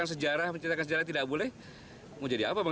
biarin aja lah saya tidak berpolemik kok